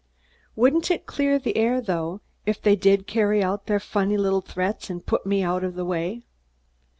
"Wouldn't it clear the air, though, if they did carry out their funny little threats and put me out of the way?